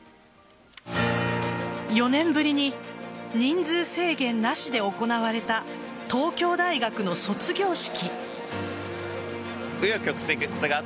４年ぶりに人数制限なしで行われた東京大学の卒業式。